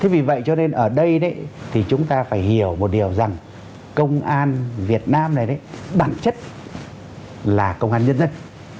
vì vậy ở đây chúng ta phải hiểu một điều rằng công an việt nam này bản chất là công an nhân dân